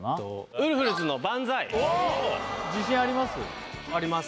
ウルフルズの「バンザイ」自信あります？